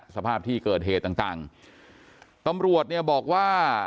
สภาพที่เกิดเหตุต่างต่างตำรวจเนี่ยบอกว่า